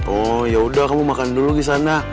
oh ya udah kamu makan dulu di sana